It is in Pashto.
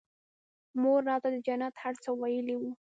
مور راته د جنت هر څه ويلي وو.